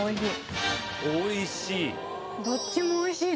「おいしい」。